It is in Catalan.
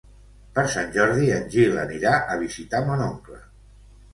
Per Sant Jordi en Gil anirà a visitar mon oncle.